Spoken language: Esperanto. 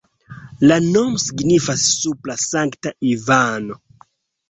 La nomo signifas supra-Sankta-Ivano.